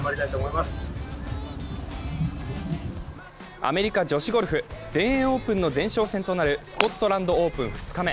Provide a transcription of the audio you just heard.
アメリカ女子ゴルフ全英オープンの前哨戦となるスコットランドオープン２日目。